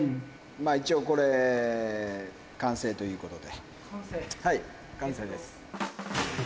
一応これ、完成ということで。